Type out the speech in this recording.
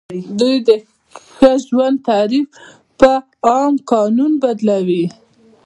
دوی د ښه ژوند تعریف په عام قانون بدلوي.